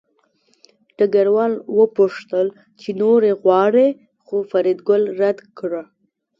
ډګروال وپوښتل چې نورې غواړې خو فریدګل رد کړه